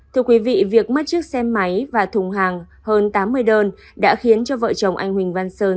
thưa quý vị việc mất chiếc xe máy và thùng hàng hơn tám mươi đơn đã khiến cho vợ chồng anh huỳnh văn sơn